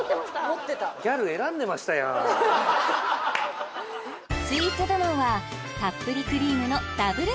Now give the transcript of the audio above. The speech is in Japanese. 持ってたスイーツ部門はたっぷりクリームのダブル